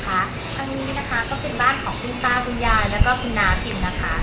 อันนี้นะคะก็เป็นบ้านของคุณตาคุณยายแล้วก็คุณน้าพิมนะคะ